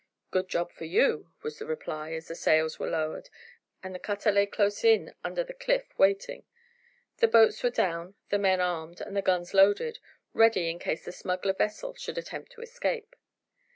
"Good job for you," was the reply, as the sails were lowered, and the cutter lay close in under the cliff waiting. The boats were down, the men armed, and the guns loaded, ready in case the smuggler vessel should attempt to escape.